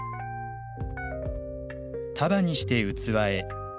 束にして器へ。